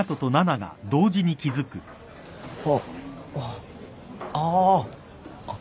あっ！あっ。